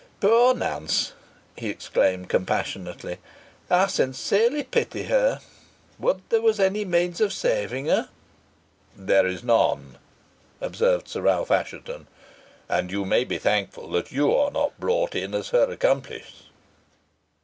"Poor Nance!" he exclaimed, compassionately, "I sincerely pity her. Would there was any means of saving her!" "There is none," observed Sir Ralph Assheton. "And you may be thankful you are not brought in as her accomplice."